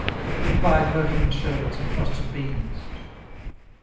Good by, perfumed sherbets and frosted beans!